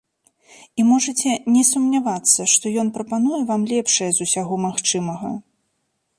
І можаце не сумнявацца, што ён прапануе вам лепшае з усяго магчымага.